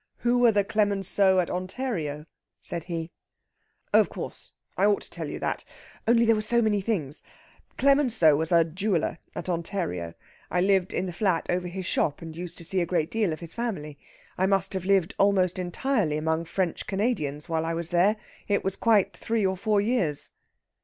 "Who were the Clemenceaux at Ontario?" said he. "Of course, I ought to tell you that. Only there were so many things. Clemenceau was a jeweller at Ontario. I lived in the flat over his shop, and used to see a great deal of his family. I must have lived almost entirely among French Canadians while I was there it was quite three or four years...."